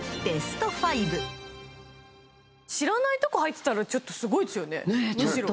知らないとこ入ってたらちょっとすごいですよね。